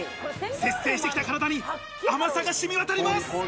節制してきた体に、甘さが染み渡ります。